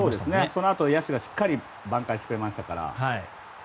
そのあと野手がしっかり挽回してくれましたから。